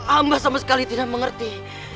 amba sama sekali tidak mengerti